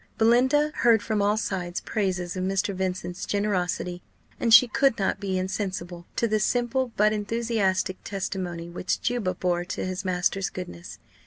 Belinda heard from all sides praises of Mr. Vincent's generosity; and she could not be insensible to the simple but enthusiastic testimony which Juba bore to his master's goodness.